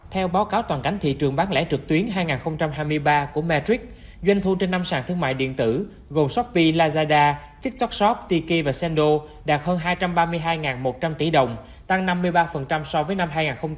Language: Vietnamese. theo báo cáo toàn cảnh thị trường bán lẻ trực tuyến hai nghìn hai mươi ba của matrix doanh thu trên năm sàn thương mại điện tử gồm shopee lazada tiktok shop tiki và sendo đạt hơn hai trăm ba mươi hai một trăm linh tỷ đồng tăng năm mươi ba so với năm hai nghìn hai mươi hai